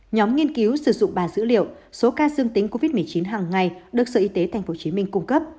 nhóm nghiên cứu sử dụng ba dữ liệu số ca dương tính covid một mươi chín hàng ngày được sở y tế tp hcm cung cấp